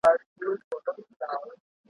هدیره د قدرتو یم